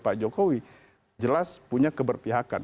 pak jokowi jelas punya keberpihakan